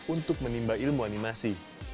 untuk menimba ilmu animasi